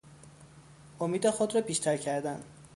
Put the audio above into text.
امید خود را بیشتر کردن